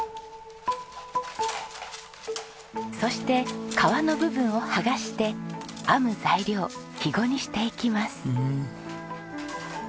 そして皮の部分を剥がして編む材料ヒゴにしていきます。